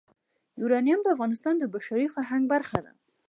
یورانیم د افغانستان د بشري فرهنګ برخه ده.